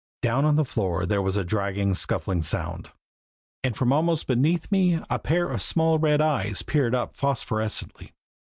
Down on the floor there was a dragging, scuffling sound, and from almost beneath me a pair of small red eyes peered up phosphorescently.